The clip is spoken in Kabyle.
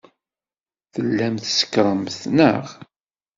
Tellamt tsekṛemt, neɣ?